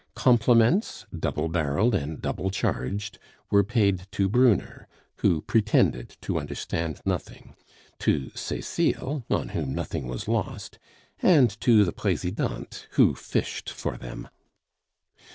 Compliments, double barreled and double charged, were paid to Brunner (who pretended to understand nothing); to Cecile, on whom nothing was lost; and to the Presidente, who fished for them.